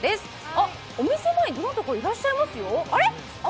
あっ、お店前、どなたかいらっしゃいますよ。